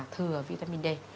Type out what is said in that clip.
thừa vitamin d